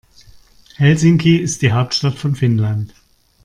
Helsinki ist die Hauptstadt von Finnland.